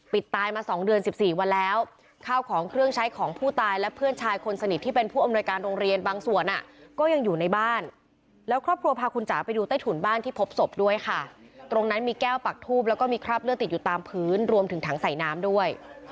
ตายมา๒เดือน๑๔วันแล้วข้าวของเครื่องใช้ของผู้ตายและเพื่อนชายคนสนิทที่เป็นผู้อำนวยการโรงเรียนบางส่วนอ่ะก็ยังอยู่ในบ้านแล้วครอบครัวพาคุณจ๋าไปดูใต้ถุนบ้านที่พบศพด้วยค่ะตรงนั้นมีแก้วปักทูบแล้วก็มีคราบเลือดติดอยู่ตามพื้นรวมถึงถังใส่น้ำด้วย